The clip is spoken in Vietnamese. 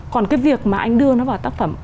còn cái việc mà anh đưa nó vào tác phẩm